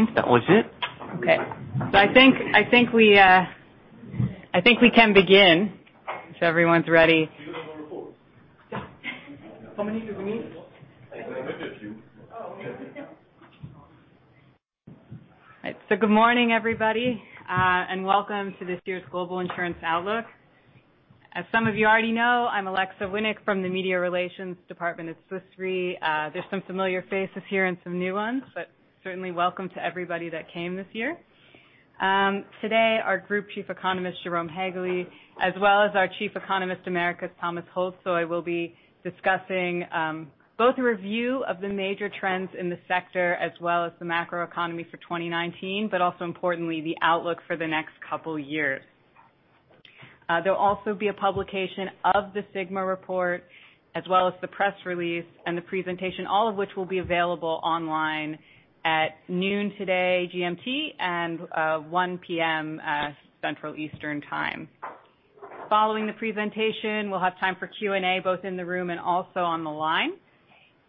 Good morning, everybody, and welcome to this year's Global Insurance Outlook. As some of you already know, I'm Alexa Winnik from the Media Relations department at Swiss Re. There's some familiar faces here and some new ones, certainly welcome to everybody that came this year. Today, our Group Chief Economist, Jérôme Haegeli, as well as our Chief Economist Americas, Thomas Holzheu, will be discussing both a review of the major trends in the sector as well as the macroeconomy for 2019, also importantly, the outlook for the next couple of years. There'll also be a publication of the Sigma report as well as the press release and the presentation, all of which will be available online at noon today, GMT, and 1:00 P.M. Central European Time. Following the presentation, we'll have time for Q&A, both in the room and also on the line.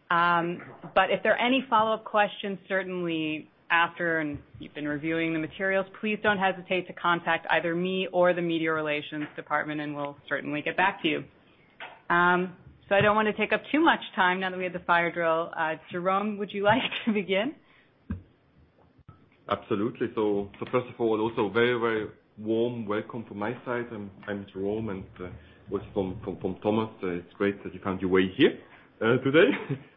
If there are any follow-up questions, certainly after and you've been reviewing the materials, please don't hesitate to contact either me or the Media Relations department, and we'll certainly get back to you. I don't want to take up too much time now that we had the fire drill. Jérôme, would you like to begin? Absolutely. First of all, also very, very warm welcome from my side. I'm Jérôme, and also from Thomas. It's great that you found your way here today,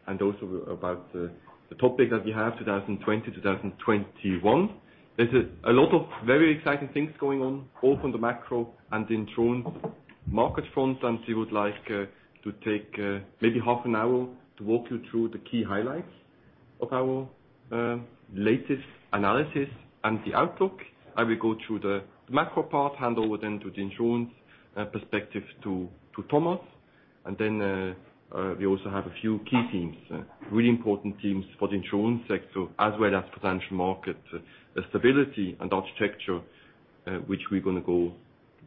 and also about the topic that we have, 2020, 2021. There's a lot of very exciting things going on, both on the macro and insurance market front. We would like to take maybe half an hour to walk you through the key highlights of our latest analysis and the outlook. I will go through the macro part, hand over then to the insurance perspective to Thomas. We also have a few key themes, really important themes for the insurance sector as well as potential market stability and architecture, which we're going to go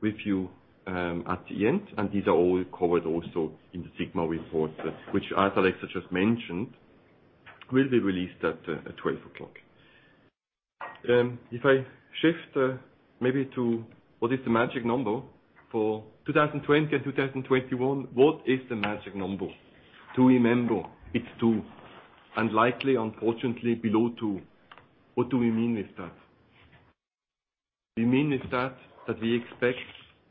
with you at the end. These are all covered also in the Sigma report, which as Alexa just mentioned, will be released at 12:00 P.M. If I shift maybe to what is the magic number for 2020 and 2021. What is the magic number? To remember it's two, and likely, unfortunately, below two. What do we mean with that? We mean with that we expect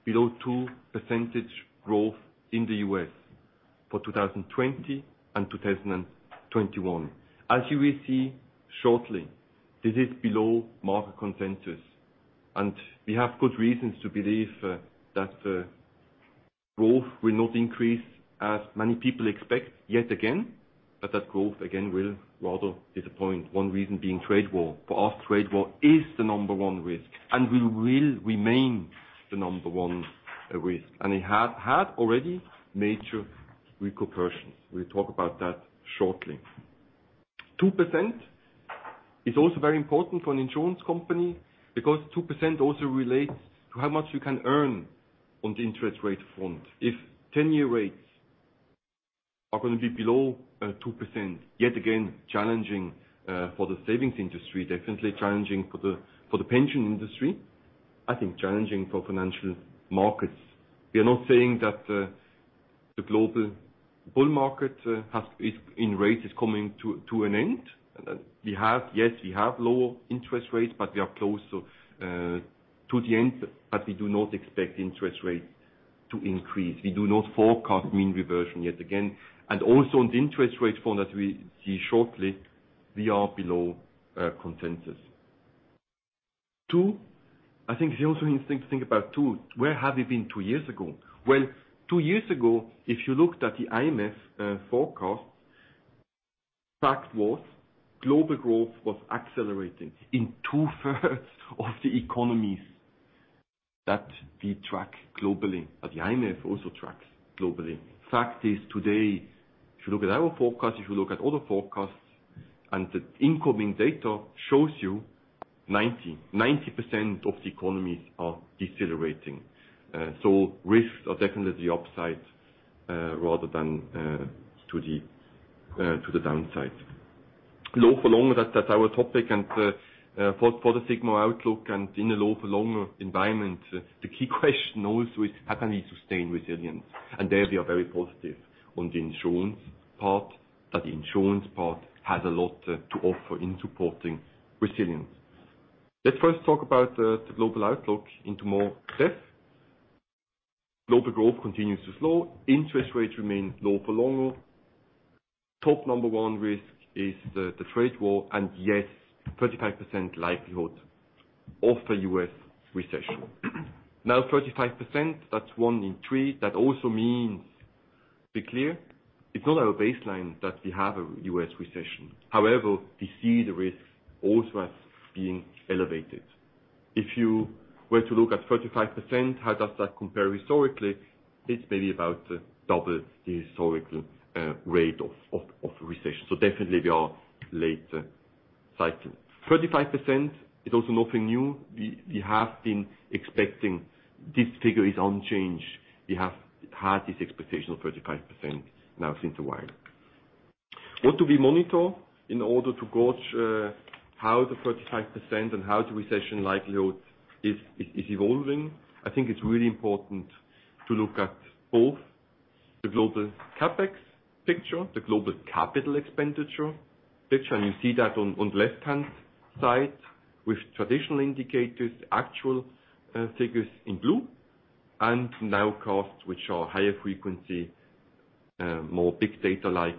below 2% growth in the U.S. for 2020 and 2021. As you will see shortly, this is below market consensus, we have good reasons to believe that growth will not increase as many people expect yet again, but that growth again will rather disappoint. One reason being trade war. For us, trade war is the number one risk, and will remain the number one risk. It had already major repercussions. We'll talk about that shortly. 2% is also very important for an insurance company because 2% also relates to how much you can earn on the interest rate front. If 10-year rates are going to be below 2%, yet again, challenging for the savings industry, definitely challenging for the pension industry. I think challenging for financial markets. We are not saying that the global bull market in rates is coming to an end. Yes, we have low interest rates, but we are close to the end, but we do not expect interest rates to increase. We do not forecast mean reversion yet again. Also on the interest rate front that we see shortly, we are below consensus. I think it's also interesting to think about two. Where have we been two years ago? Well, two years ago, if you looked at the IMF forecast, fact was global growth was accelerating in two-thirds of the economies that we track globally, that the IMF also tracks globally. Fact is today, if you look at our forecast, if you look at other forecasts, the incoming data shows you 90% of the economies are decelerating. Risks are definitely upside rather than to the downside. Low for longer, that's our topic. For the sigma outlook and in a low for longer environment, the key question also is: how can we sustain resilience? There we are very positive on the insurance part, that the insurance part has a lot to offer in supporting resilience. Let's first talk about the global outlook into more depth. Global growth continues to slow. Interest rates remain low for longer. Top number one risk is the trade war, yes, 35% likelihood of a U.S. recession. Now, 35%, that's one in three. That also means, to be clear, it's not our baseline that we have a U.S. recession. We see the risk also as being elevated. If you were to look at 35%, how does that compare historically? It's maybe about double the historical rate of recession. Definitely we are late cycle. 35% is also nothing new. We have been expecting this figure is unchanged. We have had this expectation of 35% now since a while. What do we monitor in order to gauge how the 35% and how the recession likelihood is evolving? I think it's really important to look at both the global CapEx picture, the global capital expenditure picture, and you see that on left-hand side with traditional indicators, actual figures in blue, and nowcasts which are higher frequency, more big data-like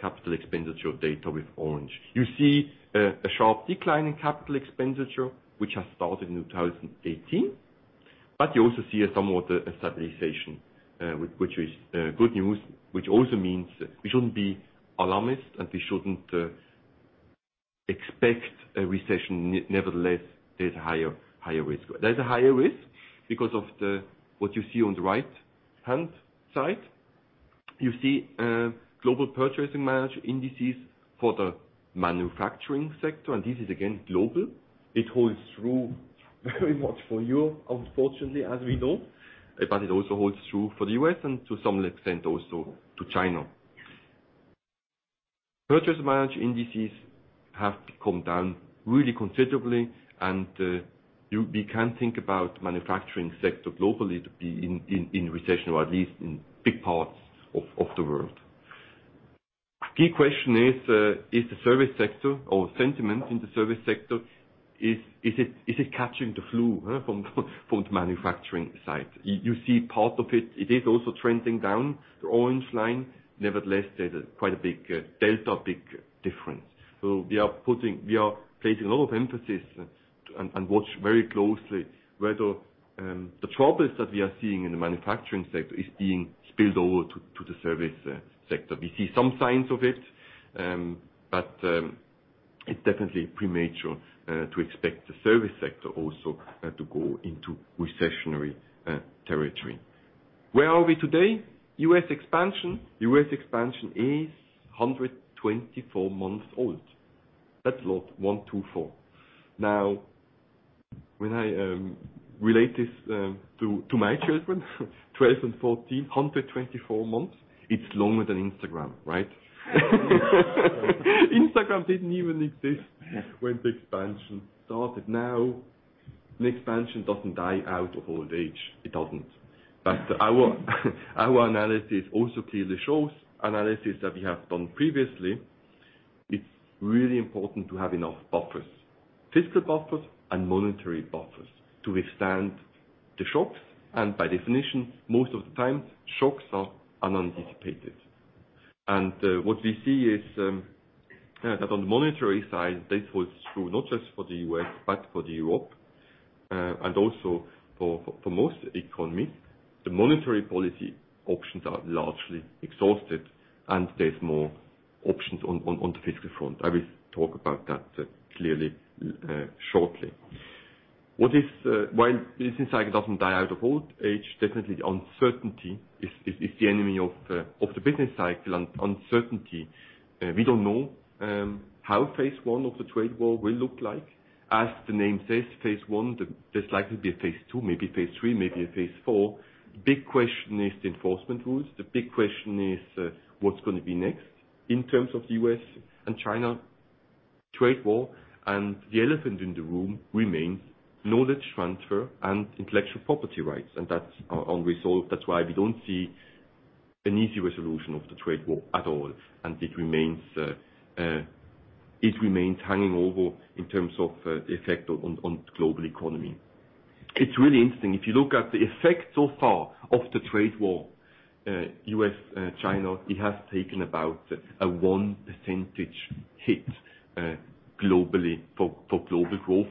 capital expenditure data with orange. You see a sharp decline in capital expenditure, which has started in 2018. You also see somewhat a stabilization, which is good news, which also means that we shouldn't be alarmist, and we shouldn't expect a recession. Nevertheless, there's a higher risk. There's a higher risk because of what you see on the right-hand side. You see global purchasing manager indices for the manufacturing sector, and this is again, global. It holds true very much for you, unfortunately, as we know, but it also holds true for the U.S. and to some extent also to China. Purchasing manager indices have come down really considerably, and we can think about manufacturing sector globally to be in recession, or at least in big parts of the world. Key question is the service sector or sentiment in the service sector, is it catching the flu from the manufacturing side? You see part of it. It is also trending down, the orange line. There's quite a big delta, big difference. We are placing a lot of emphasis and watch very closely whether the troubles that we are seeing in the manufacturing sector is being spilled over to the service sector. We see some signs of it, but it's definitely premature to expect the service sector also to go into recessionary territory. Where are we today? U.S. expansion. U.S. expansion is 124 months old. That's a lot. 124. When I relate this to my children, 2014, 124 months, it's longer than Instagram, right? Instagram didn't even exist when the expansion started. An expansion doesn't die out of old age. It doesn't. Our analysis also clearly shows, analysis that we have done previously, it's really important to have enough buffers, fiscal buffers and monetary buffers to withstand the shocks. By definition, most of the time, shocks are unanticipated. What we see is that on the monetary side, this holds true not just for the U.S., but for Europe, and also for most economies. The monetary policy options are largely exhausted, and there's more options on the fiscal front. I will talk about that clearly shortly. While business cycle doesn't die out of old age, definitely the uncertainty is the enemy of the business cycle, and uncertainty, we don't know how phase 1 of the trade war will look like. As the name says, phase 1, there's likely be a phase 2, maybe phase 3, maybe a phase 4. Big question is the enforcement rules. The big question is what's going to be next in terms of U.S. and China trade war, and the elephant in the room remains knowledge transfer and intellectual property rights, and that's unresolved. That's why we don't see an easy resolution of the trade war at all, and it remains hanging over in terms of the effect on global economy. It's really interesting. If you look at the effect so far of the trade war, U.S.-China, it has taken about a one percentage hit globally for global growth,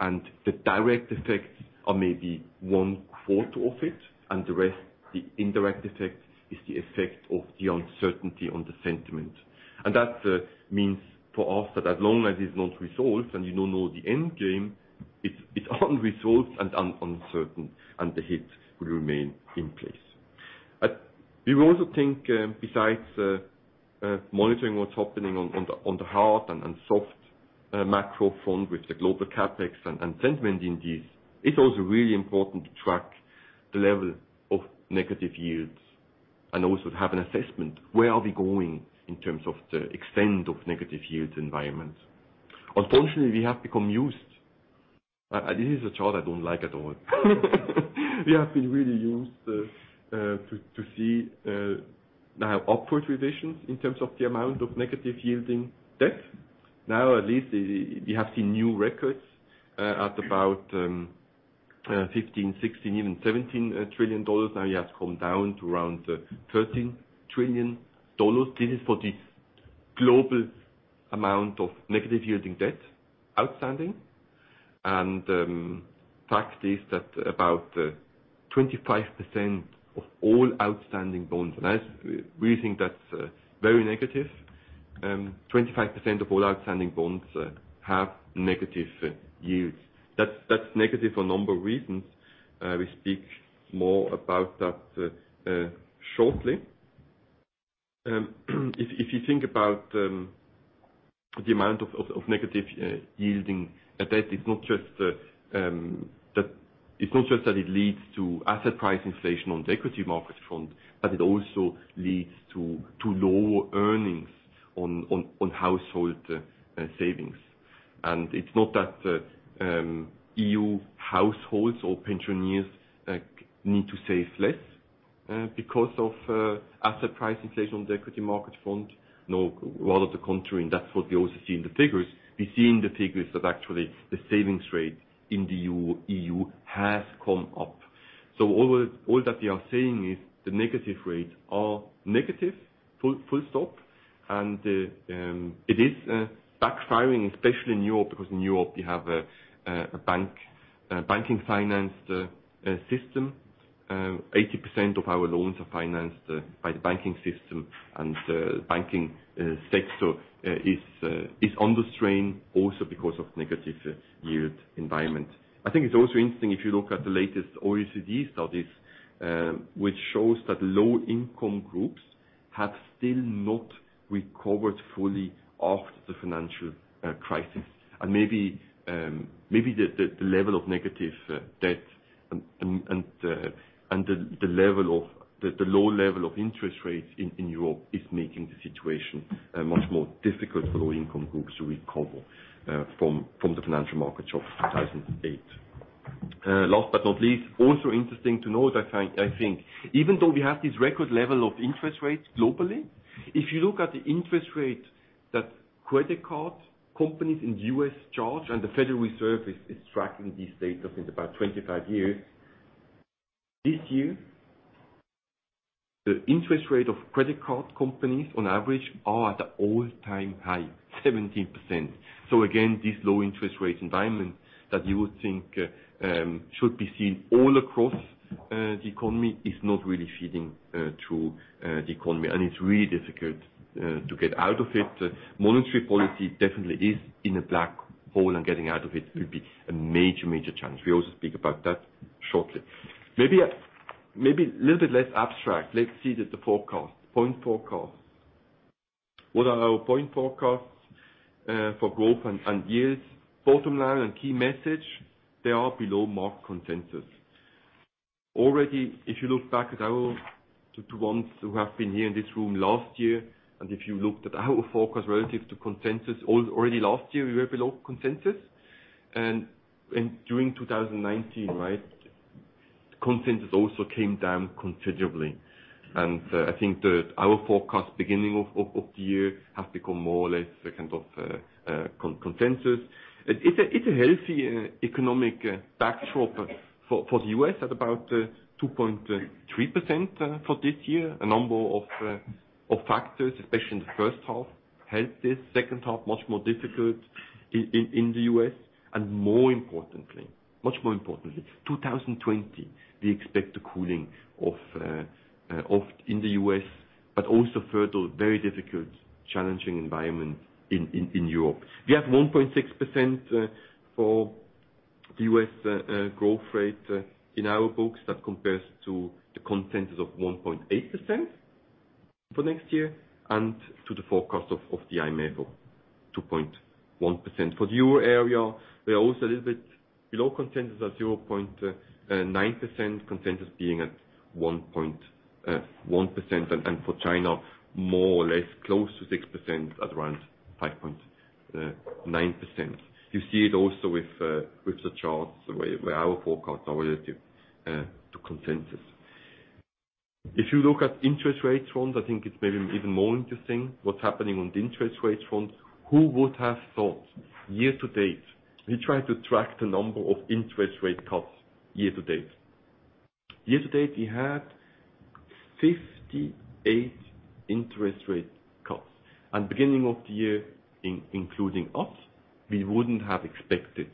and the direct effects are maybe one quarter of it, and the rest, the indirect effect, is the effect of the uncertainty on the sentiment. That means for us that as long as it's not resolved and you don't know the end game, it's unresolved and uncertain, and the hit will remain in place. We will also think, besides monitoring what's happening on the hard and soft macro front with the global CapEx and sentiment indices, it's also really important to track the level of negative yields and also to have an assessment, where are we going in terms of the extent of negative yields environments? This is a chart I don't like at all. We have been really used to see now upward revisions in terms of the amount of negative yielding debt. At least we have seen new records at about $15 trillion, $16 trillion, even $17 trillion. It has come down to around $13 trillion. This is for the global amount of negative yielding debt outstanding. Fact is that about 25% of all outstanding bonds, and we think that's very negative. 25% of all outstanding bonds have negative yields. That's negative for a number of reasons. We speak more about that shortly. If you think about the amount of negative yielding debt, it's not just that it leads to asset price inflation on the equity market front, but it also leads to lower earnings on household savings. It's not that EU households or pensioners need to save less because of asset price inflation on the equity market front. No, rather the contrary, and that's what we also see in the figures. We see in the figures that actually the savings rate in the EU has come up. All that we are saying is the negative rates are negative, full stop. It is backfiring, especially in Europe, because in Europe you have a banking financed system. 80% of our loans are financed by the banking system, and the banking sector is under strain also because of negative yield environment. I think it's also interesting if you look at the latest OECD studies, which shows that low-income groups have still not recovered fully after the financial crisis. Maybe the level of negative debt and the low level of interest rates in Europe is making the situation much more difficult for low-income groups to recover from the financial market shock of 2008. Last but not least, also interesting to note, I think, even though we have this record level of interest rates globally, if you look at the interest rate that credit card companies in the U.S. charge, and the Federal Reserve is tracking this data since about 25 years. This year, the interest rate of credit card companies on average are at an all-time high, 17%. Again, this low interest rate environment that you would think should be seen all across the economy is not really feeding through the economy, and it's really difficult to get out of it. Monetary policy definitely is in a black hole, and getting out of it will be a major challenge. We also speak about that shortly. Maybe a little bit less abstract. Let's see the point forecast. What are our point forecasts for growth and yields? Bottom line and key message, they are below market consensus. Already, if you look back to the ones who have been here in this room last year, and if you looked at our forecast relative to consensus, already last year we were below consensus. During 2019, right? Consensus also came down considerably. I think that our forecast beginning of the year has become more or less a kind of consensus. It's a healthy economic backdrop for the U.S. at about 2.3% for this year. A number of factors, especially in the first half, helped this. Second half, much more difficult in the U.S. More importantly, 2020, we expect a cooling in the U.S., but also further very difficult, challenging environment in Europe. We have 1.6% for U.S. growth rate in our books. That compares to the consensus of 1.8% for next year, and to the forecast of the IMF, 2.1%. For the Euro area, we are also a little bit below consensus at 0.9%, consensus being at 1.1%, and for China, more or less close to 6% at around 5.9%. You see it also with the charts, where our forecasts are relative to consensus. If you look at interest rates front, I think it may be even more interesting what's happening on the interest rates front. Who would have thought year to date? We try to track the number of interest rate cuts year to date. Year to date, we had 58 interest rate cuts. Beginning of the year, including us, we wouldn't have expected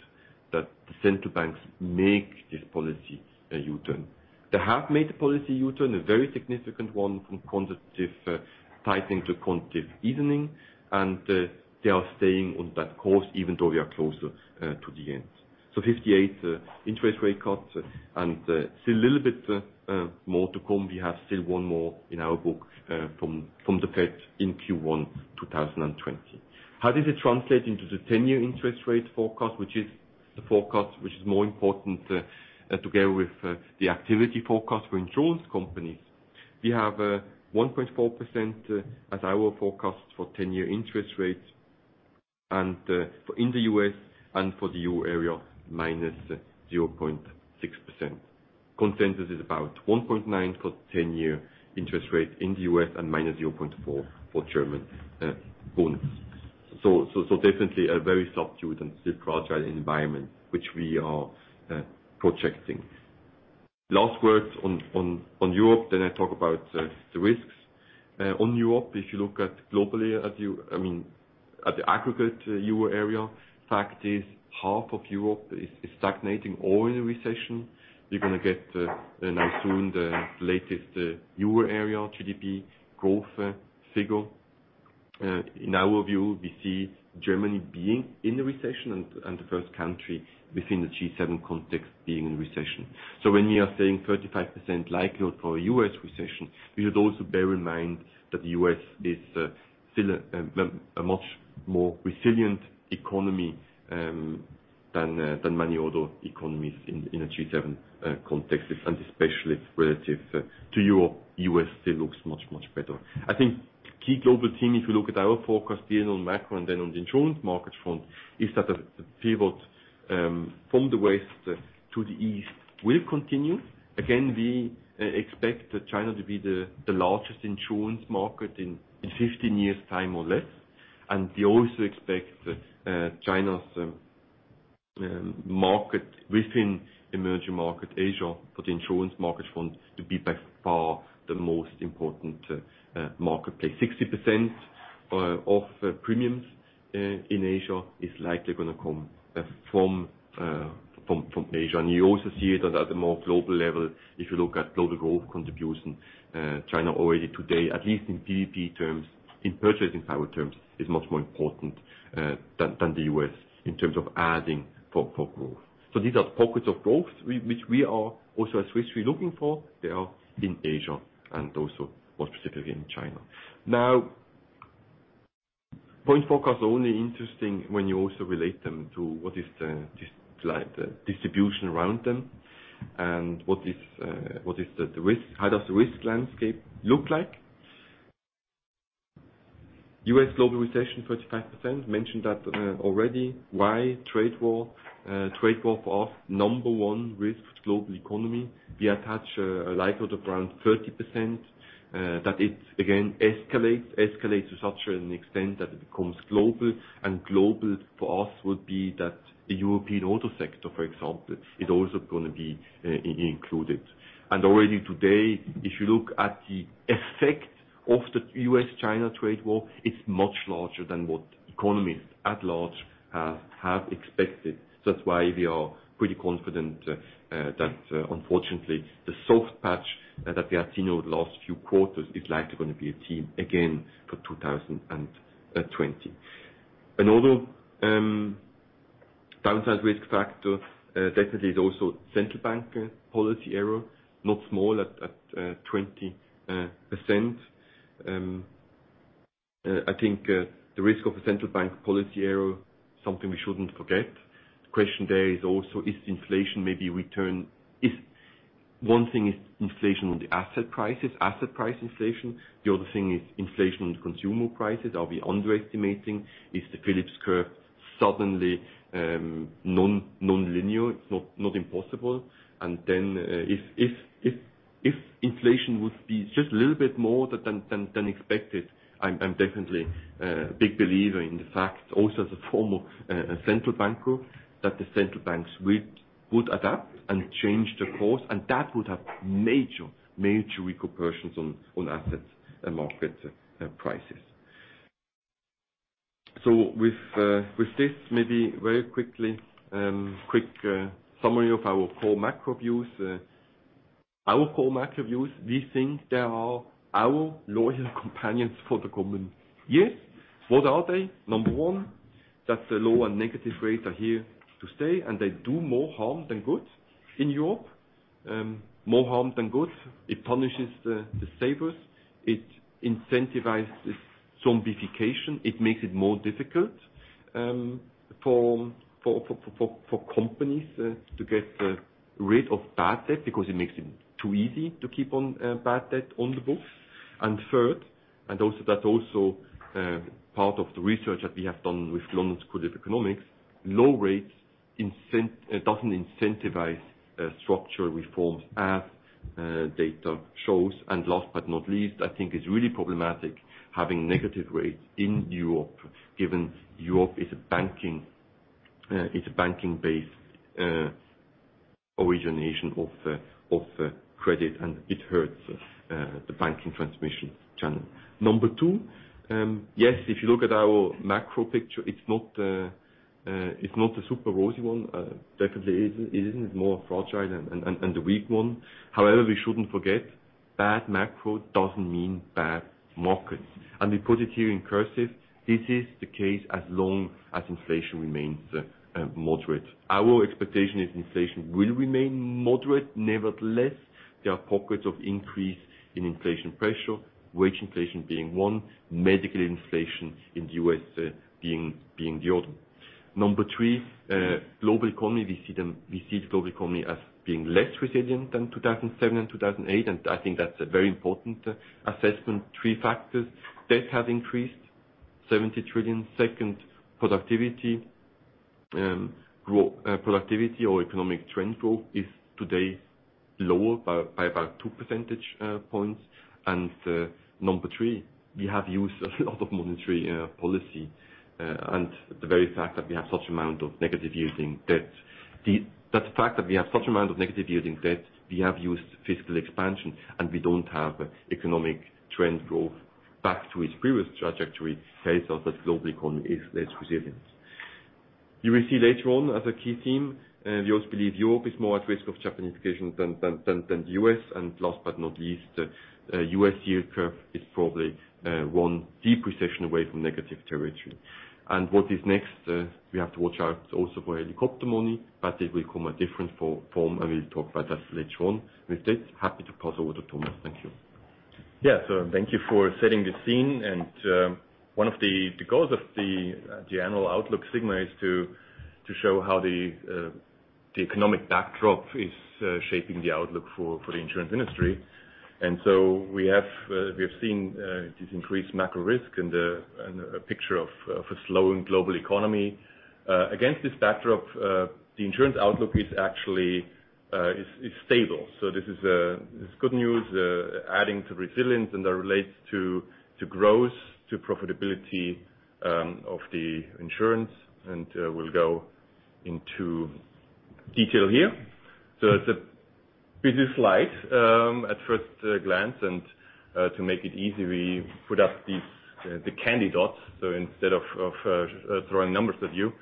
that the central banks make this policy U-turn. They have made a policy U-turn, a very significant one from quantitative tightening to quantitative easing, and they are staying on that course even though we are closer to the end. 58 interest rate cuts and still a little bit more to come. We have still one more in our book from the Fed in Q1 2020. How does it translate into the 10-year interest rate forecast, which is the forecast which is more important together with the activity forecast for insurance companies? We have 1.4% as our forecast for 10-year interest rates in the U.S., and for the Euro area, minus 0.6%. Consensus is about 1.9% for 10-year interest rate in the U.S. and -0.4% for German Bunds. Definitely a very subdued and still fragile environment which we are projecting. Last words on Europe. I talk about the risks. On Europe, if you look at globally, at the aggregate Euro area, fact is half of Europe is stagnating or in a recession. You're going to get now soon the latest Euro area GDP growth figure. In our view, we see Germany being in a recession and the first country within the G7 context being in recession. When we are saying 35% likelihood for a U.S. recession, we would also bear in mind that the U.S. is still a much more resilient economy than many other economies in a G7 context, and especially relative to Europe, U.S. still looks much, much better. I think key global theme, if you look at our forecast, even on macro and then on the insurance market front, is that the pivot from the west to the east will continue. Again, we expect China to be the largest insurance market in 15 years' time or less, and we also expect China's market within emerging market Asia, for the insurance market front, to be by far the most important marketplace. 60% of premiums in Asia is likely going to come from Asia. You also see it at a more global level. If you look at global growth contribution, China already today, at least in PPP terms, in purchasing power terms, is much more important than the U.S. in terms of adding for growth. These are pockets of growth which we are also at Swiss Re looking for. They are in Asia and also more specifically in China. Point forecasts are only interesting when you also relate them to what is the distribution around them and how does the risk landscape look like? U.S. global recession, 35%, mentioned that already. Why? Trade war for us, number one risk to global economy. We attach a likelihood of around 30% that it, again, escalates to such an extent that it becomes global and global for us would be that the European auto sector, for example, is also going to be included. Already today, if you look at the effect of the U.S.-China trade war, it's much larger than what economists at large have expected. That's why we are pretty confident that unfortunately the soft patch that we have seen over the last few quarters is likely going to be a theme again for 2020. Another downside risk factor definitely is also central bank policy error, not small at 20%. I think the risk of a central bank policy error, something we shouldn't forget. The question there is also, is inflation maybe? One thing is inflation on the asset prices, asset price inflation. The other thing is inflation on consumer prices. Are we underestimating? Is the Phillips curve suddenly non-linear? It's not impossible. If inflation would be just a little bit more than expected, I'm definitely a big believer in the fact also as a former central banker, that the central banks would adapt and change the course, that would have major repercussions on assets and markets prices. With this, maybe very quickly, quick summary of our core macro views. Our core macro views, we think they are our loyal companions for the coming years. What are they? Number one, that the low and negative rates are here to stay, they do more harm than good in Europe. More harm than good. It punishes the savers. It incentivizes zombification. It makes it more difficult for companies to get rid of bad debt because it makes it too easy to keep on bad debt on the books. Third, and that's also part of the research that we have done with London School of Economics, low rates doesn't incentivize structural reforms as data shows. Last but not least, I think it's really problematic having negative rates in Europe, given Europe is a banking-based origination of credit, and it hurts the banking transmission channel. Number 2, yes, if you look at our macro picture, it's not a super rosy one. Definitely isn't. It's more a fragile and a weak one. However, we shouldn't forget, bad macro doesn't mean bad markets. We put it here in cursive. This is the case as long as inflation remains moderate. Our expectation is inflation will remain moderate. Nevertheless, there are pockets of increase in inflation pressure, wage inflation being one, medical inflation in the U.S. being the other. Number 3, global economy. We see the global economy as being less resilient than 2007 and 2008, and I think that's a very important assessment. Three factors. Debt has increased, $70 trillion. Second, productivity or economic trend growth is today lower by about two percentage points. Number three, we have used a lot of monetary policy, the very fact that we have such amount of negative-yielding debt. We have used fiscal expansion, we don't have economic trend growth back to its previous trajectory tells us that global economy is less resilient. You will see later on as a key theme, we also believe Europe is more at risk of Japanification than the U.S. Last but not least, the U.S. yield curve is probably one deep recession away from negative territory. What is next? We have to watch out also for helicopter money. It will come a different form. We'll talk about that later on. With this, happy to pass over to Thomas. Thank you. Thank you for setting the scene. One of the goals of the annual outlook sigma is to show how the economic backdrop is shaping the outlook for the insurance industry. We have seen this increased macro risk and a picture of a slowing global economy. Against this backdrop, the insurance outlook is actually stable. This is good news, adding to resilience, and that relates to growth, to profitability of the insurance. We'll go into detail here. It's a busy slide at first glance. To make it easy, we put up the candy dots, so instead of throwing numbers at you,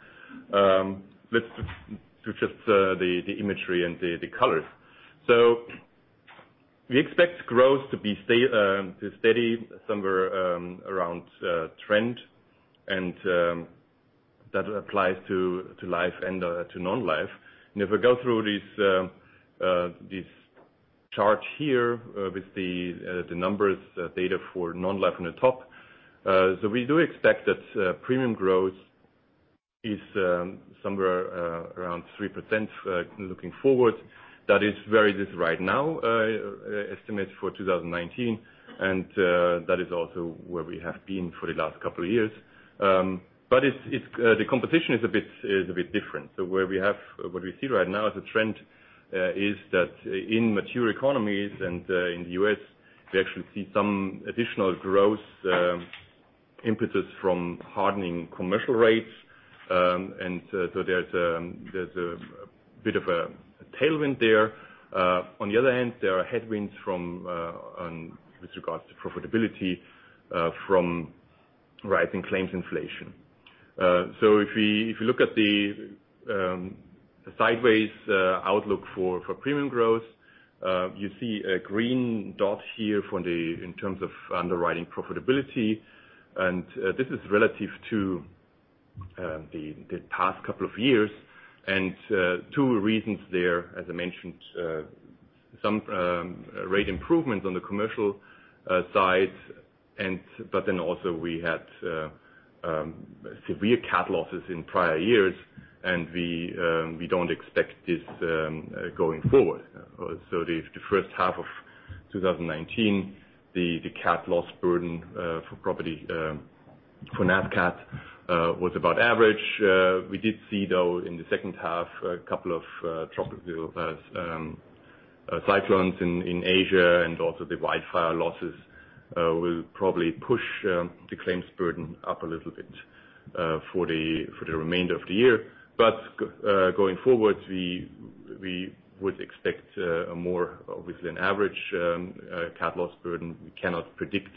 let's do just the imagery and the colors. We expect growth to be steady somewhere around trend, and that applies to life and to non-life. If we go through this chart here with the numbers, data for non-life on the top. We do expect that premium growth is somewhere around 3% looking forward. That is where it is right now, estimates for 2019, and that is also where we have been for the last couple of years. The competition is a bit different. What we see right now as a trend is that in mature economies and in the U.S., we actually see some additional growth impetus from hardening commercial rates. There's a bit of a tailwind there. On the other hand, there are headwinds with regards to profitability from rising claims inflation. If we look at the sideways outlook for premium growth, you see a green dot here in terms of underwriting profitability, and this is relative to the past couple of years. Two reasons there, as I mentioned, some rate improvements on the commercial side, we had severe cat losses in prior years, and we don't expect this going forward. The first half of 2019, the cat loss burden for property for Nat cat was about average. We did see, though, in the second half, a couple of tropical cyclones in Asia, and also the wildfire losses will probably push the claims burden up a little bit for the remainder of the year. Going forward, we would expect more of an average cat loss burden. We cannot predict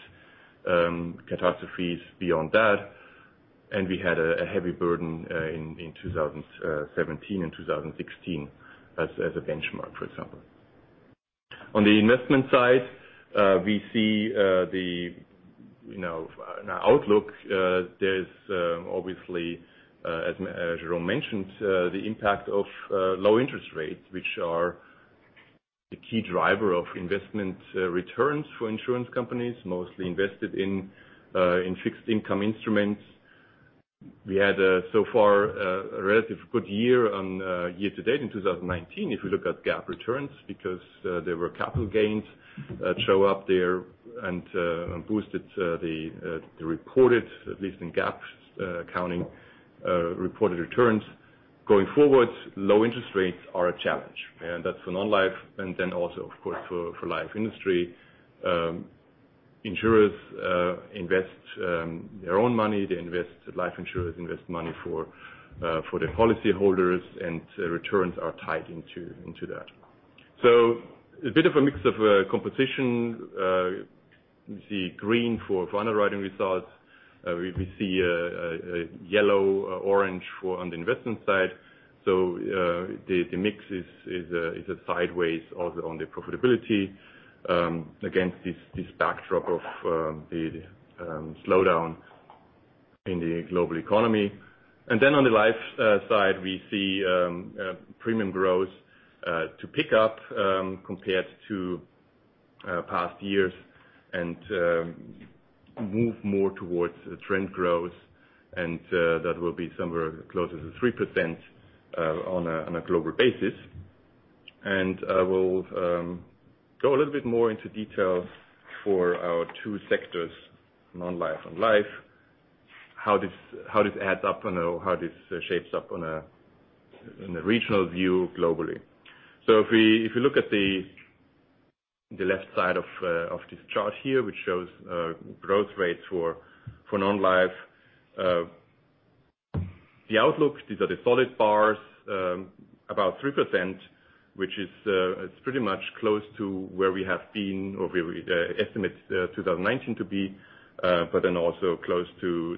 catastrophes beyond that. We had a heavy burden in 2017 and 2016 as a benchmark, for example. On the investment side, we see the outlook. There's obviously, as Jérôme mentioned, the impact of low interest rates, which are the key driver of investment returns for insurance companies, mostly invested in fixed income instruments. We had so far a relatively good year on year to date in 2019 if we look at GAAP returns, because there were capital gains that show up there and boosted the reported, at least in GAAP accounting, reported returns. Going forward, low interest rates are a challenge, and that's for non-life and then also, of course, for life industry. Insurers invest their own money. Life insurers invest money for their policyholders, and returns are tied into that. A bit of a mix of competition. We see green for underwriting results. We see yellow, orange on the investment side. The mix is sideways on the profitability against this backdrop of the slowdown in the global economy. On the life side, we see premium growth to pick up compared to past years and move more towards trend growth, that will be somewhere closer to 3% on a global basis. We'll go a little bit more into detail for our two sectors, non-life and life, how this adds up and how this shapes up in a regional view globally. If you look at the left side of this chart here, which shows growth rates for non-life. The outlook, these are the solid bars, about 3%. Which is pretty much close to where we have been, or we estimate 2019 to be, but then also close to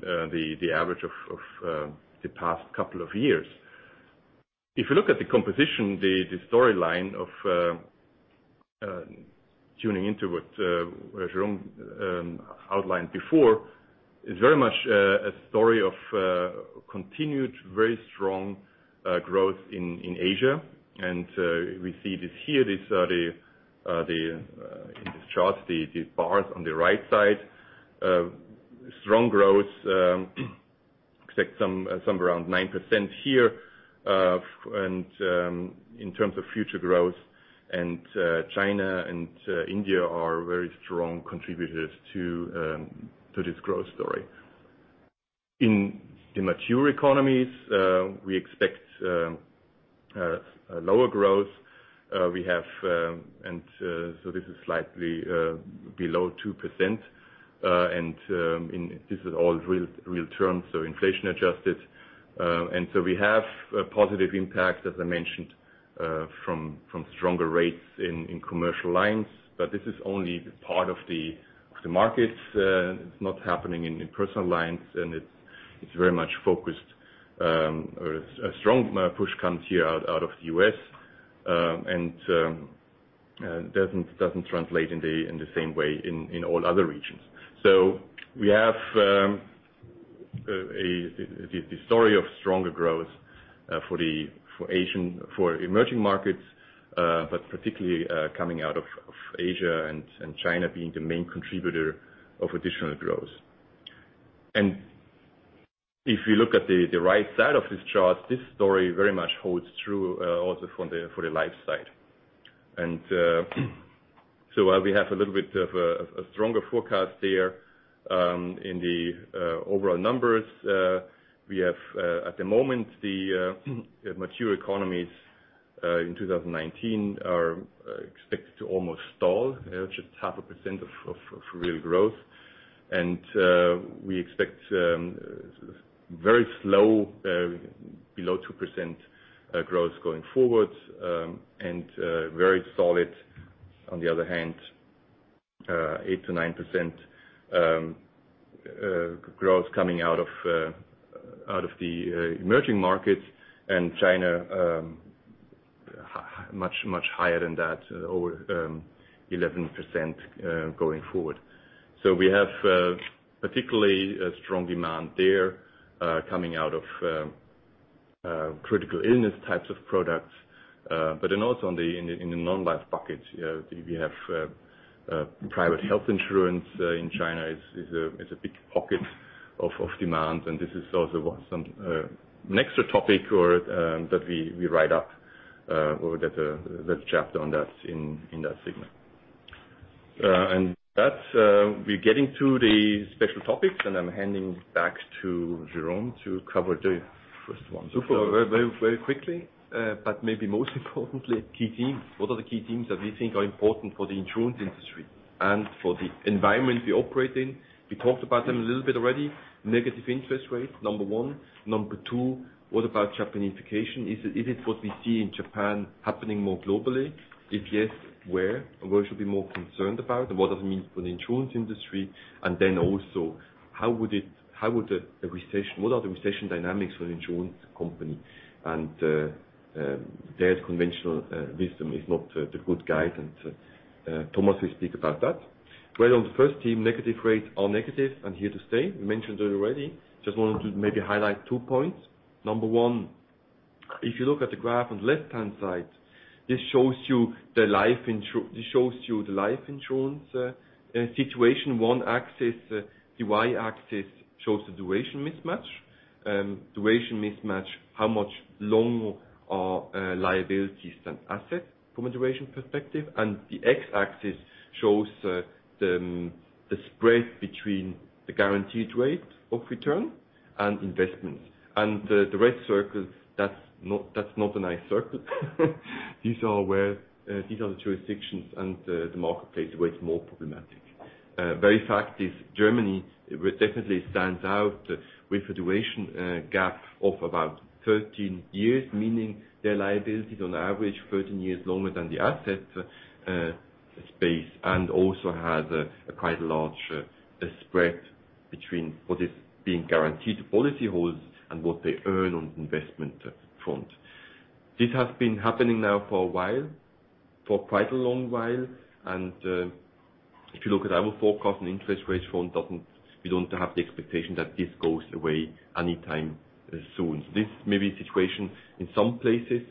the average of the past couple of years. If you look at the composition, the storyline of tuning into what Jérôme outlined before, is very much a story of continued very strong growth in Asia. We see this here, in this chart, the bars on the right side. Strong growth, expect some around 9% here. In terms of future growth, and China and India are very strong contributors to this growth story. In the mature economies, we expect a lower growth. This is slightly below 2%, and this is all real terms, so inflation adjusted. We have a positive impact, as I mentioned, from stronger rates in commercial lines, but this is only part of the markets. It's not happening in personal lines, and it's very much focused, or a strong push comes here out of the U.S., and doesn't translate in the same way in all other regions. We have the story of stronger growth for emerging markets, but particularly coming out of Asia and China being the main contributor of additional growth. If you look at the right side of this chart, this story very much holds true also for the life side. While we have a little bit of a stronger forecast there in the overall numbers, we have at the moment, the mature economies in 2019 are expected to almost stall, just half a percent of real growth. We expect very slow, below 2% growth going forward and very solid, on the other hand, 8%-9% growth coming out of the emerging markets and China, much higher than that, over 11% going forward. We have particularly a strong demand there coming out of critical illness types of products, but then also in the non-life pockets. We have private health insurance in China is a big pocket of demand, and this is also an extra topic that we write up, or that chapter on that in that segment. That, we're getting to the special topics, and I'm handing back to Jérôme to cover the first one. Super. Very quickly. Maybe most importantly, key themes. What are the key themes that we think are important for the insurance industry and for the environment we operate in? We talked about them a little bit already. Negative interest rates, number one. Number two, what about Japanification? Is it what we see in Japan happening more globally? If yes, where? Where we should be more concerned about, and what does it mean for the insurance industry? Also, what are the recession dynamics for insurance company? There, conventional wisdom is not the good guide. Thomas will speak about that. Well, on the first theme, negative rates are negative and here to stay. We mentioned it already, just wanted to maybe highlight two points. Number one, if you look at the graph on the left-hand side, this shows you the life insurance situation. One axis, the Y-axis, shows the duration mismatch. Duration mismatch, how much long are liabilities than assets from a duration perspective. The X-axis shows the spread between the guaranteed rate of return and investments. The red circle, that's not a nice circle. These are the jurisdictions and the marketplace where it's more problematic. Very fact is Germany, which definitely stands out with a duration gap of about 13 years, meaning their liability is on average 13 years longer than the asset space, and also has quite a large spread between what is being guaranteed to policyholders and what they earn on the investment front. This has been happening now for a while, for quite a long while, and if you look at our forecast on interest rates front, we don't have the expectation that this goes away anytime soon. This may be a situation in some places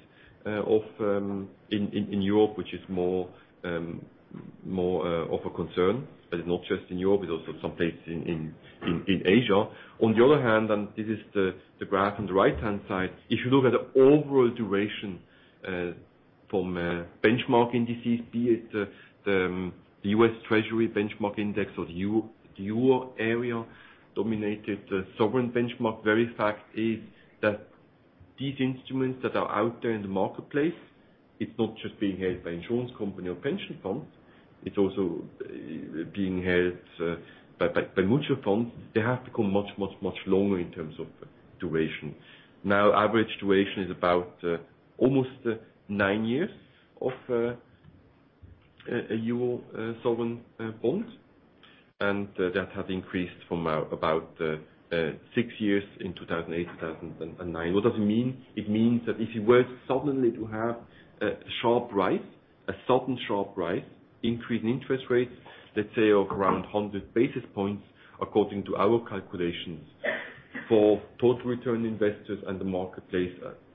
in Europe, which is more of a concern, but it's not just in Europe, but also some places in Asia. On the other hand, this is the graph on the right-hand side, if you look at the overall duration from benchmark indices, be it the US Treasury benchmark index or the Euro area dominated sovereign benchmark, very fact is that these instruments that are out there in the marketplace, it's not just being held by insurance company or pension funds. It's also being held by mutual funds. They have become much longer in terms of duration. Now, average duration is about almost nine years of a Euro sovereign bond, and that has increased from about six years in 2008, 2009. What does it mean? It means that if you were suddenly to have a sharp rise, a sudden sharp rise, increase in interest rates, let's say of around 100 basis points, according to our calculations, for total return investors and the marketplace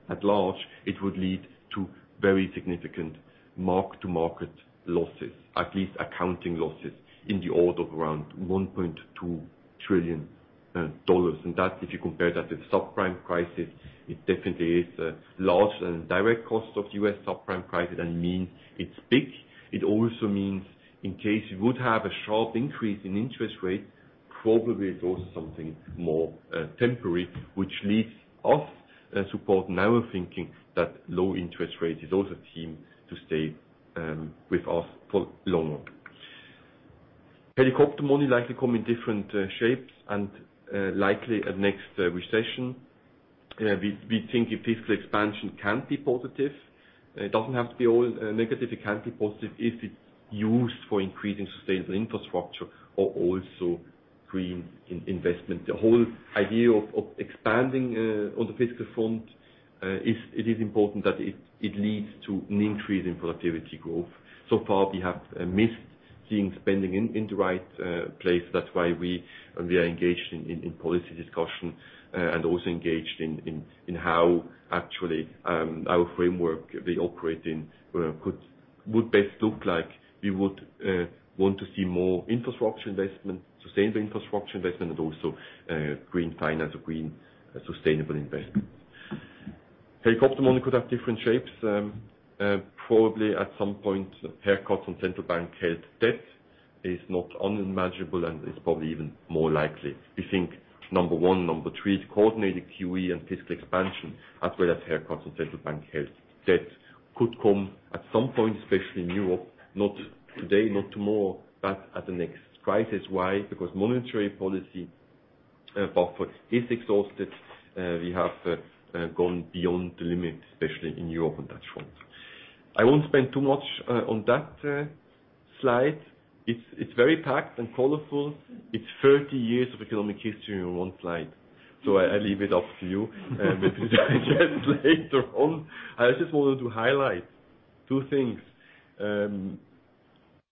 at large, it would lead to very significant mark-to-market losses, at least accounting losses, in the order of around $1.2 trillion. That, if you compare that with subprime crisis, it definitely is a large and direct cost of U.S. subprime crisis. That means it's big. It also means in case you would have a sharp increase in interest rate, probably it's also something more temporary, which leads us to support now thinking that low interest rates is also seem to stay with us for longer. Helicopter money likely come in different shapes and likely at next recession. We think if fiscal expansion can be positive, it doesn't have to be all negative. It can be positive if it's used for increasing sustainable infrastructure or also green investment. The whole idea of expanding on the fiscal front, it is important that it leads to an increase in productivity growth. So far, we have missed seeing spending in the right place. That's why we are engaged in policy discussion, and also engaged in how actually our framework we operate in would best look like. We would want to see more infrastructure investment, sustainable infrastructure investment, and also green finance or green sustainable investment. Helicopter money could have different shapes. Probably at some point, haircut on central bank held debt is not unimaginable and is probably even more likely. We think number 1, number 3 is coordinated QE and fiscal expansion, as well as haircut on central bank held debt could come at some point, especially in Europe, not today, not tomorrow, but at the next crisis. Why? Because monetary policy buffer is exhausted. We have gone beyond the limit, especially in Europe on that front. I won't spend too much on that slide. It's very packed and colorful. It's 30 years of economic history in one slide. I leave it up to you later on. I just wanted to highlight two things.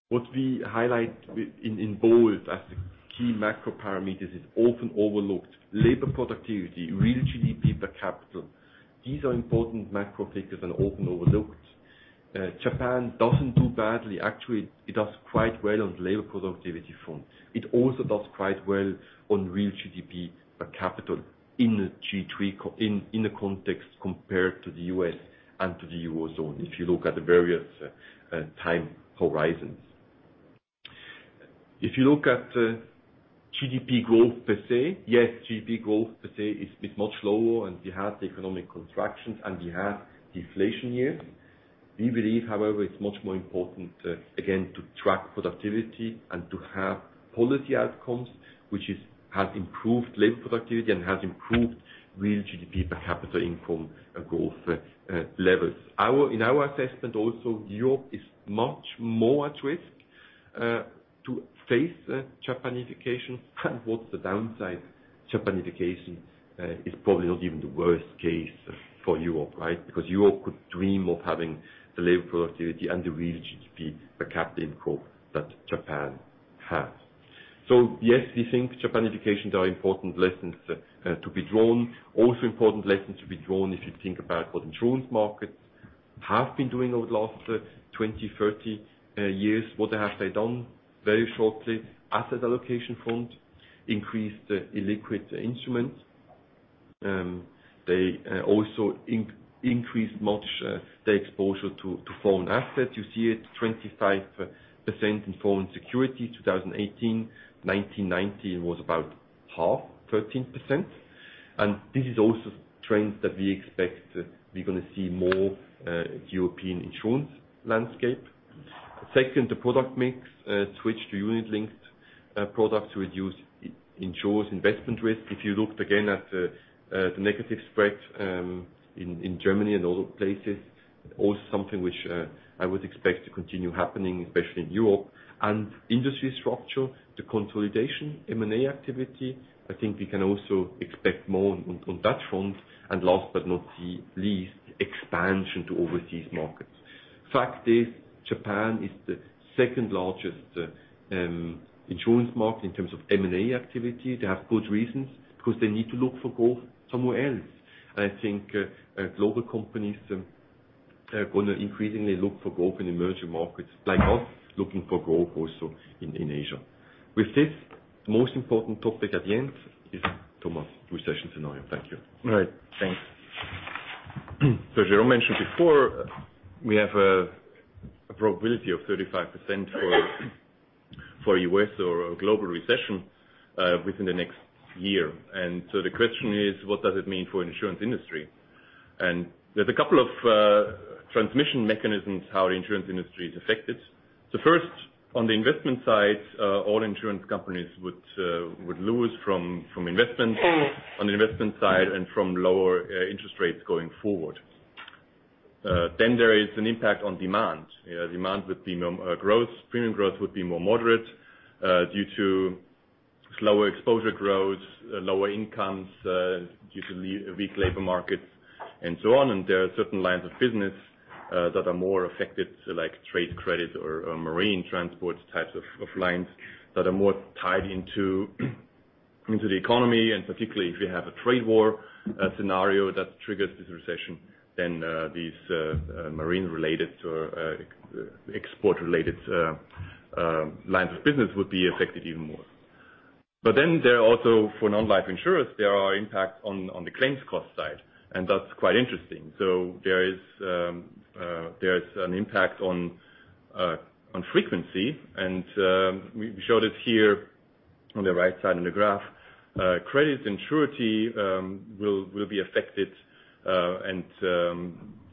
What we highlight in bold as the key macro parameters is often overlooked. Labor productivity, real GDP per capita. These are important macro figures and often overlooked. Japan doesn't do badly. Actually, it does quite well on labor productivity front. It also does quite well on real GDP per capita in the G3, in the context compared to the U.S. and to the Eurozone, if you look at the various time horizons. If you look at GDP growth per se, yes, GDP growth per se is much lower, and we have the economic contractions, and we have deflation years. We believe, however, it's much more important, again, to track productivity and to have policy outcomes, which has improved labor productivity and has improved real GDP per capita income growth levels. In our assessment, also, Europe is much more at risk to face Japanification. What's the downside? Japanification is probably not even the worst case for Europe, right? Europe could dream of having the labor productivity and the real GDP per capita growth that Japan has. Yes, we think Japanification are important lessons to be drawn. Also important lessons to be drawn if you think about what insurance markets have been doing over the last 20, 30 years. What have they done? Very shortly, asset allocation front increased illiquid instruments. They also increased much the exposure to foreign assets. You see it, 25% in foreign securities, 2018. 2019 was about half, 13%. This is also trends that we expect we're going to see more European insurance landscape. Second, the product mix switch to unit-linked products to reduce insurers' investment risk. If you looked again at the negative spread in Germany and other places, also something which I would expect to continue happening, especially in Europe. Industry structure to consolidation M&A activity, I think we can also expect more on that front. Last but not the least, expansion to overseas markets. Fact is, Japan is the second-largest insurance market in terms of M&A activity. They have good reasons, because they need to look for growth somewhere else. I think global companies are going to increasingly look for growth in emerging markets, like us looking for growth also in Asia. With this, most important topic at the end is Thomas, recession scenario. Thank you. All right. Thanks. Jérôme mentioned before, we have a probability of 35% for U.S. or a global recession within the next year. The question is: what does it mean for insurance industry? There's a couple of transmission mechanisms how the insurance industry is affected. First, on the investment side, all insurance companies would lose from investments on the investment side and from lower interest rates going forward. There is an impact on demand. Premium growth would be more moderate due to slower exposure growth, lower incomes due to weak labor markets and so on. There are certain lines of business that are more affected, like trade credit or marine transport types of lines that are more tied into the economy, and particularly if we have a trade war scenario that triggers this recession, then these marine-related or export-related lines of business would be affected even more. There are also, for non-life insurers, there are impacts on the claims cost side, and that's quite interesting. There is an impact on frequency and we showed it here on the right side of the graph. Credit and surety will be affected and,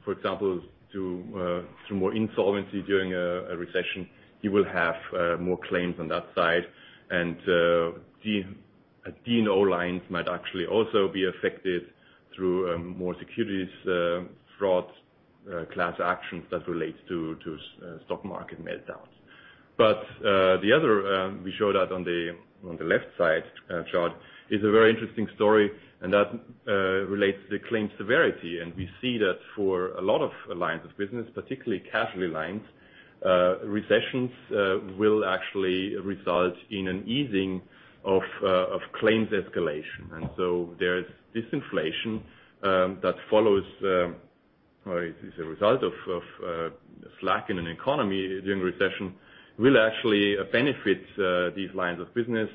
for example, through more insolvency during a recession, you will have more claims on that side. D&O lines might actually also be affected through more securities fraud, class actions that relate to stock market meltdowns. The other, we showed that on the left side chart, is a very interesting story, and that relates to claims severity. We see that for a lot of lines of business, particularly casualty lines, recessions will actually result in an easing of claims escalation. There is disinflation that follows, or is a result of, slack in an economy during recession will actually benefit these lines of business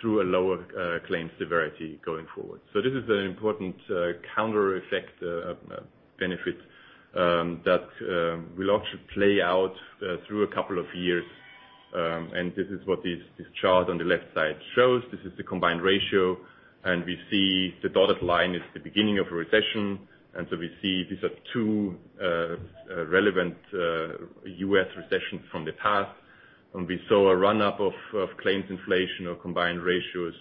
through a lower claims severity going forward. This is an important counter effect benefit that will actually play out through a couple of years, and this is what this chart on the left side shows. This is the combined ratio, and we see the dotted line is the beginning of a recession. We see these are two relevant U.S. recessions from the past. We saw a run-up of claims inflation or combined ratios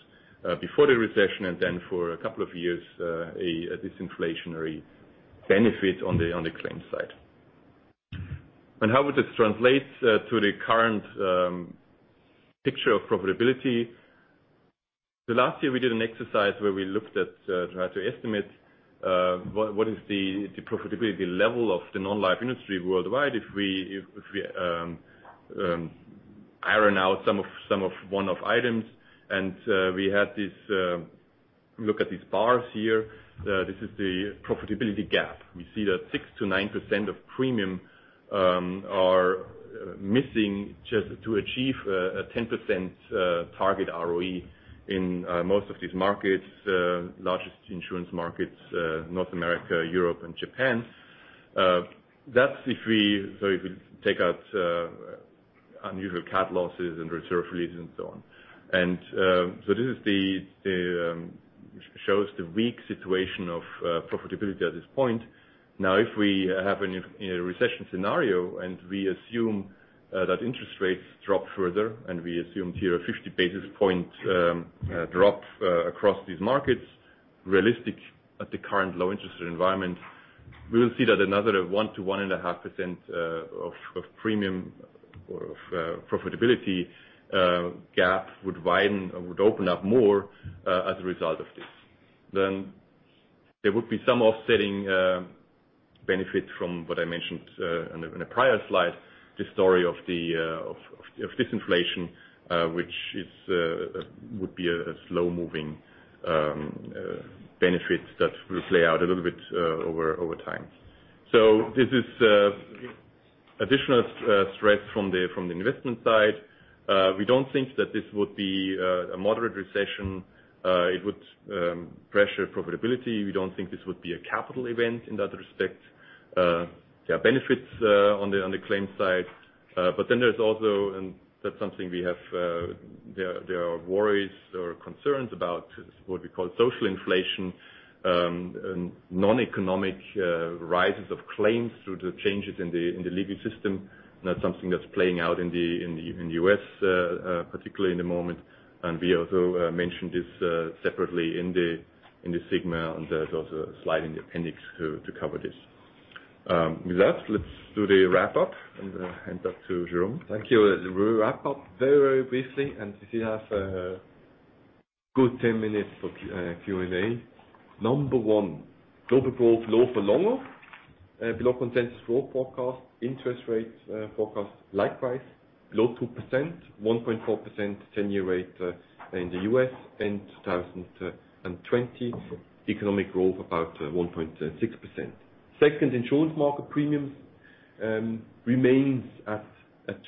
before the recession, then for a couple of years, a disinflationary benefit on the claims side. How would this translate to the current picture of profitability? Last year we did an exercise where we tried to estimate what is the profitability level of the non-life industry worldwide if we iron out some of the one-off items. We had this look at these bars here. This is the profitability gap. We see that 6%-9% of premium are missing just to achieve a 10% target ROE in most of these markets, largest insurance markets, North America, Europe, and Japan. If we take out unusual cat losses and reserve releases and so on. This shows the weak situation of profitability at this point. If we have a recession scenario and we assume that interest rates drop further, we assumed here a 50 basis point drop across these markets, realistic at the current low interest rate environment, we will see that another 1%-1.5% of premium or of profitability gap would widen or would open up more, as a result of this. There would be some offsetting benefit from what I mentioned in a prior slide, the story of disinflation, which would be a slow-moving benefit that will play out a little bit over time. This is additional stress from the investment side. We don't think that this would be a moderate recession. It would pressure profitability. We don't think this would be a capital event in that respect. There are benefits on the claims side. There's also, there are worries or concerns about what we call social inflation, and non-economic rises of claims through the changes in the legal system, and that's something that's playing out in the U.S., particularly in the moment. We also mentioned this separately in the sigma, and there's also a slide in the appendix to cover this. With that, let's do the wrap up and hand up to Jérôme. Thank you. We'll wrap up very briefly, if you have a good 10 minutes for Q&A. Number one, global growth low for longer. Below consensus growth forecast. Interest rates forecast, likewise, low 2%. 1.4% ten-year rate in the U.S. end 2020. Economic growth about 1.6%. Second, insurance market premiums remains at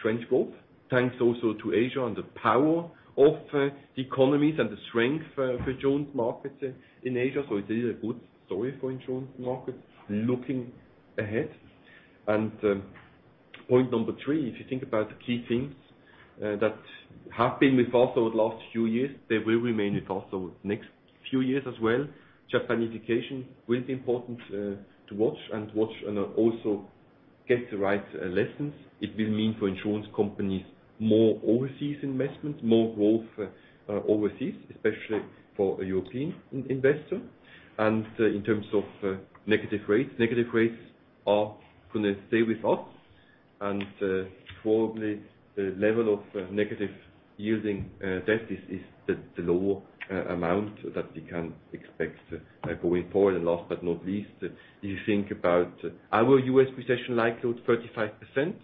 trend growth, thanks also to Asia and the power of the economies and the strength for insurance markets in Asia. It is a good story for insurance markets looking ahead. Point number three, if you think about the key themes that have been with us over the last few years, they will remain with us over the next few years as well. Japanification will be important to watch, also get the right lessons. It will mean for insurance companies, more overseas investments, more growth overseas, especially for a European investor. In terms of negative rates, negative rates are going to stay with us and probably the level of negative yielding debt is the lower amount that we can expect going forward. Last but not least, if you think about our U.S. recession likelihood, 35%.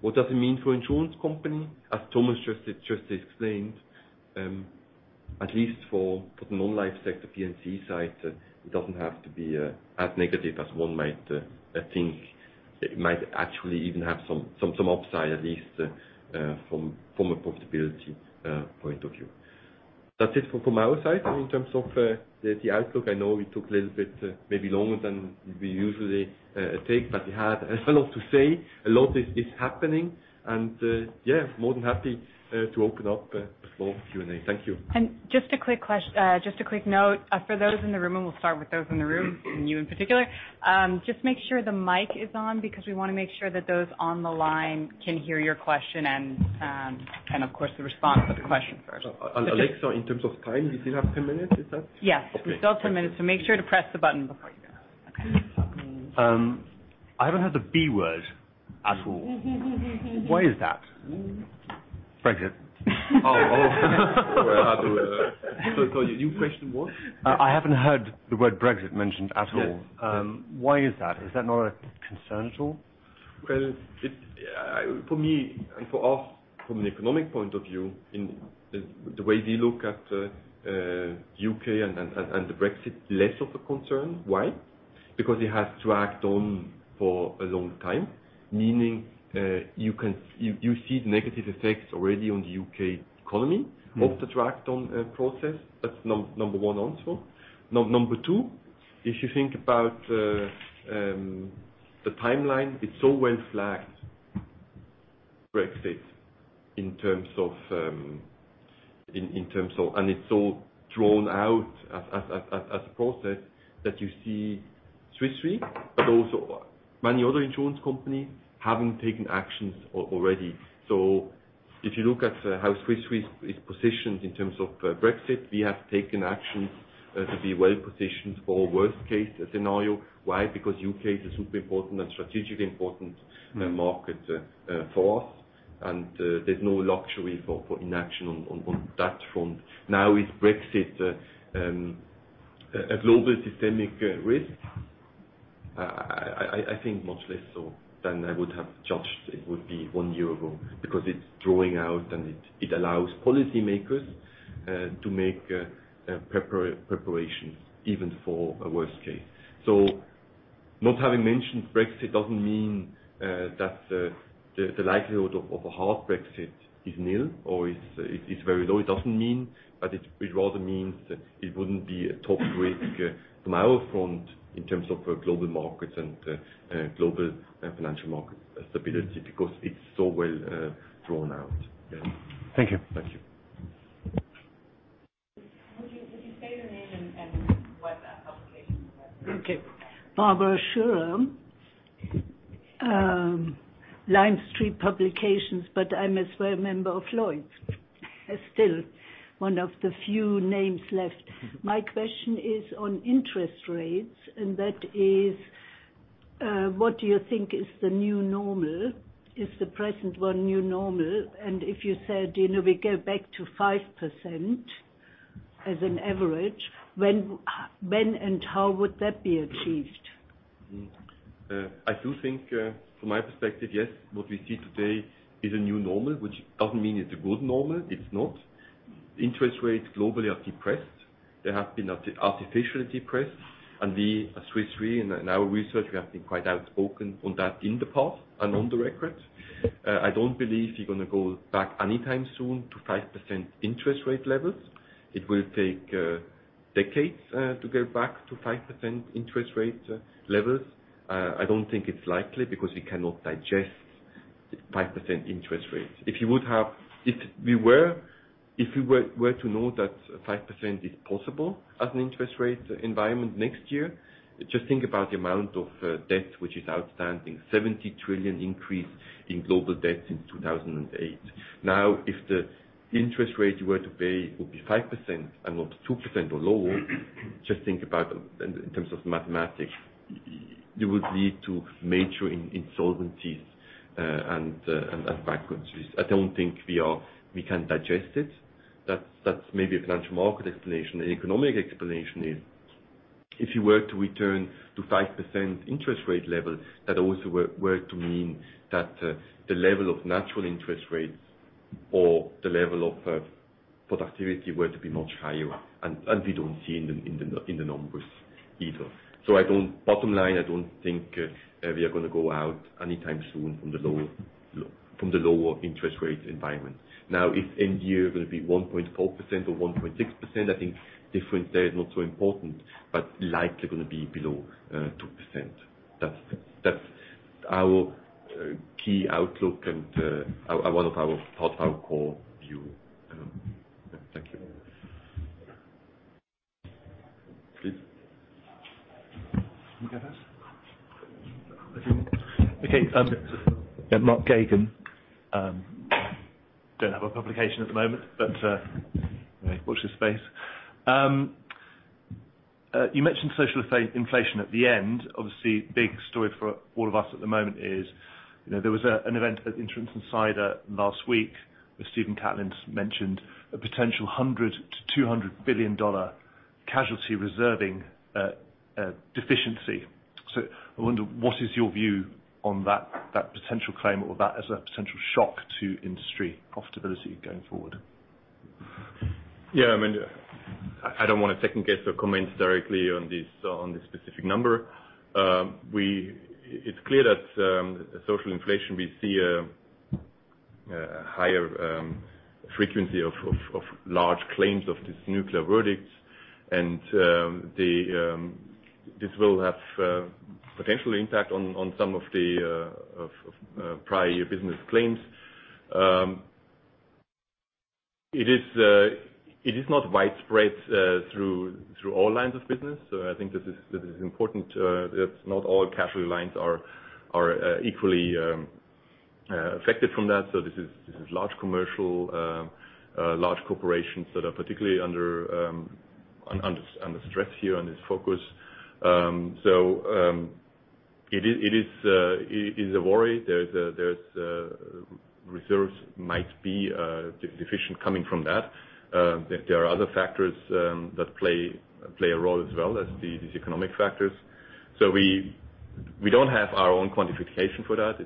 What does it mean for insurance company? As Thomas just explained, at least for the non-life sector, P&C side, it doesn't have to be as negative as one might think. It might actually even have some upside, at least, from a profitability point of view. That's it from our side in terms of the outlook. I know we took a little bit, maybe longer than we usually take, but we had a lot to say. A lot is happening and, yeah, more than happy to open up the floor for Q&A. Thank you. Just a quick note, for those in the room, and we'll start with those in the room and you in particular, just make sure the mic is on because we want to make sure that those on the line can hear your question and of course, the response of the question first. Alexa, in terms of time, we still have 10 minutes. Is that? Yes. Okay. We still have 10 minutes. Make sure to press the button before you go. Okay. I haven't heard the B word at all. Why is that? Brexit. Oh. Sorry, your question was? I haven't heard the word Brexit mentioned at all. Yes. Why is that? Is that not a concern at all? For me and for us, from an economic point of view, in the way we look at U.K. and the Brexit, less of a concern. Why? Because it has dragged on for a long time, meaning, you see the negative effects already on the U.K. economy of the dragged on process. That's number one answer. Number two, if you think about the timeline, it's so well flagged, Brexit, and it's so drawn out as a process that you see Swiss Re, but also many other insurance companies, having taken actions already. If you look at how Swiss Re is positioned in terms of Brexit, we have taken actions to be well-positioned for a worst case scenario. Why? Because U.K. is a super important and strategically important market for us, and there's no luxury for inaction on that front. Is Brexit a global systemic risk? I think much less so than I would have judged it would be one year ago, because it's drawing out and it allows policymakers to make preparations even for a worst case. Not having mentioned Brexit doesn't mean that the likelihood of a hard Brexit is nil or it's very low. It doesn't mean, but it rather means that it wouldn't be a top risk from our front in terms of global markets and global financial market stability, because it's so well drawn out. Thank you. Thank you. Would you state your name and what publication you're with? Okay. Barbara Schurer, Lime Street Publications, but I'm as well a member of Lloyd's. Still one of the few names left. My question is on interest rates, and that is, what do you think is the new normal? Is the present one new normal? If you said, we go back to 5% as an average, when and how would that be achieved? I do think, from my perspective, yes, what we see today is a new normal, which doesn't mean it's a good normal. It's not. Interest rates globally are depressed. We, as Swiss Re, in our research, we have been quite outspoken on that in the past and on the record. I don't believe we're going to go back anytime soon to 5% interest rate levels. It will take decades to go back to 5% interest rate levels. I don't think it's likely because we cannot digest 5% interest rates. If we were to know that 5% is possible as an interest rate environment next year, just think about the amount of debt which is outstanding. $70 trillion increase in global debt since 2008. If the interest rate you were to pay would be 5% and not 2% or lower, just think about in terms of mathematics, you would lead to major insolvencies and bankruptcies. I don't think we can digest it. That's maybe a financial market explanation. The economic explanation is, if you were to return to 5% interest rate level, that also were to mean that the level of natural interest rates or the level of productivity were to be much higher, and we don't see in the numbers either. Bottom line, I don't think we are going to go out anytime soon from the lower interest rate environment. If end year is going to be 1.4% or 1.6%, I think difference there is not so important, but likely going to be below 2%. That's our key outlook and one of our core view. Thank you. Please. You go first. Mark Gagan. Don't have a publication at the moment, but watch this space. You mentioned social inflation at the end. Obviously, big story for all of us at the moment is, there was an event at Insurance Insider last week, where Stephen Catlin mentioned a potential $100 billion-$200 billion casualty reserving deficiency. I wonder, what is your view on that potential claim or that as a potential shock to industry profitability going forward? I don't want to second guess or comment directly on this specific number. It's clear that social inflation, we see a higher frequency of large claims of these nuclear verdicts and this will have potential impact on some of prior year business claims. It is not widespread through all lines of business. I think that is important, that not all casualty lines are equally affected from that. This is large commercial, large corporations that are particularly under stress here, under focus. It is a worry. There's reserves might be deficient coming from that. There are other factors that play a role as well as these economic factors. We don't have our own quantification for that.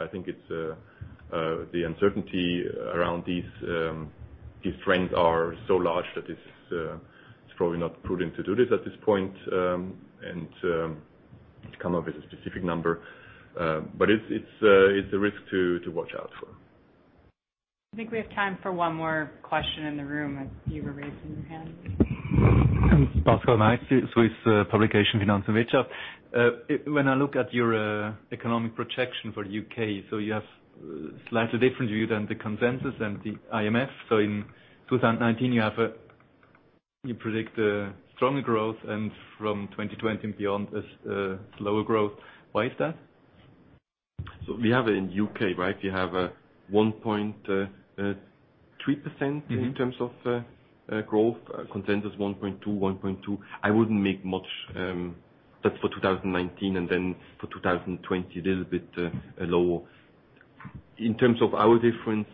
I think the uncertainty around these trends are so large that it's probably not prudent to do this at this point, and to come up with a specific number. It's a risk to watch out for. I think we have time for one more question in the room, as you were raising your hand. Pascal Meisser with publication, Finanz und Wirtschaft. When I look at your economic projection for U.K., you have slightly different view than the consensus and the IMF. In 2019, you predict a stronger growth and from 2020 and beyond, a slower growth. Why is that? We have in U.K., right? We have 1.3% in terms of growth. Consensus 1.2, 1.2. I wouldn't make much. That's for 2019, and then for 2020, a little bit lower. In terms of our difference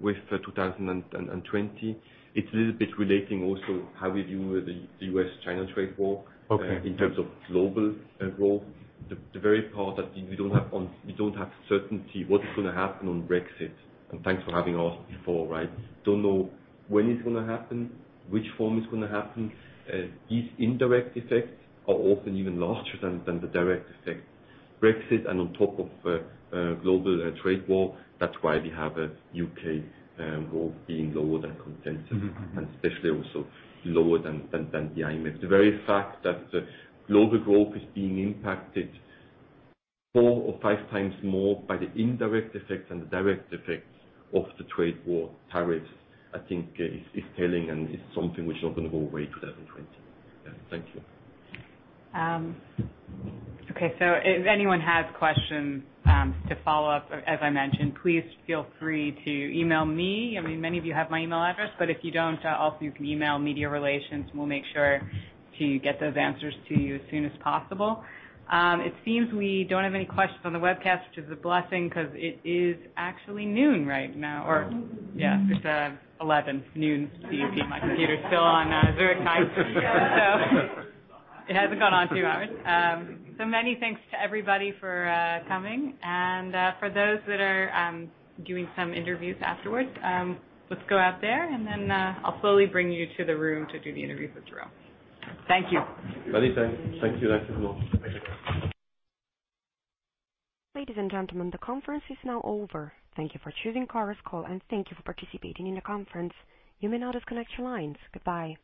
with 2020, it's a little bit relating also how we view the U.S.-China trade war. Okay in terms of global growth. The very part that we don't have certainty what is going to happen on Brexit, and thanks for having asked before, right? Don't know when it's going to happen, which form it's going to happen. These indirect effects are often even larger than the direct effect. Brexit and on top of global trade war, that's why we have U.K. growth being lower than consensus, and especially also lower than the IMF. The very fact that global growth is being impacted four or five times more by the indirect effects than the direct effects of the trade war tariffs, I think is telling, and it's something which not going to go away 2020. Yeah. Thank you. Okay. If anyone has questions to follow up, as I mentioned, please feel free to email me. Many of you have my email address, but if you don't, also you can email Media Relations and we'll make sure to get those answers to you as soon as possible. It seems we don't have any questions on the webcast, which is a blessing because it is actually 12:00 P.M. right now, or yeah, it's 11:00 A.M., 12:00 P.M. CET. My computer's still on Zurich time. It hasn't gone on two hours. Many thanks to everybody for coming. For those that are doing some interviews afterwards, let's go out there and then I'll slowly bring you to the room to do the interviews with Jérôme. Thank you. Anytime. Thank you. Thank you. Ladies and gentlemen, the conference is now over. Thank you for choosing Chorus Call, and thank you for participating in the conference. You may now disconnect your lines. Goodbye.